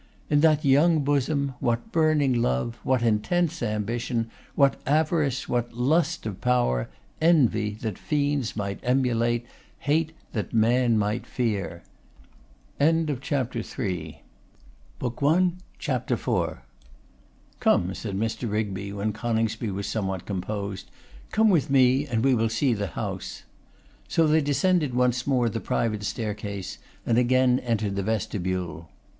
In that young bosom what burning love, what intense ambition, what avarice, what lust of power; envy that fiends might emulate, hate that man might fear! CHAPTER IV. 'Come,' said Mr. Rigby, when Coningsby was somewhat composed, 'come with me and we will see the house.' So they descended once more the private staircase, and again entered the vestibule.